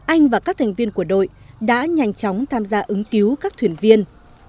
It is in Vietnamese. anh và các thành viên của đội đã nhanh chóng tham gia ứng cứu các thuyền viên